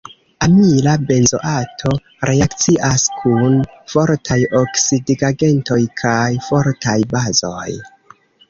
Amila benzoato reakcias kun fortaj oksidigagentoj kaj fortaj bazoj.